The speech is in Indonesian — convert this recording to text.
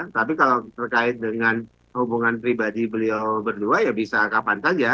tapi kalau terkait dengan hubungan pribadi beliau berdua ya bisa kapan saja